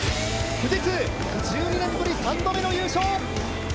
富士通、１２年ぶり３度目の優勝！